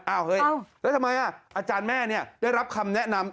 เฮ้ยแล้วทำไมอาจารย์แม่ได้รับคำแนะนำ